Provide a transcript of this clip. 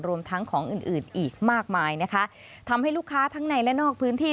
รวมทั้งของอื่นอื่นอีกมากมายนะคะทำให้ลูกค้าทั้งในและนอกพื้นที่